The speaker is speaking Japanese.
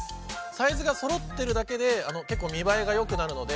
サイズがそろってるだけで結構見栄えがよくなるので。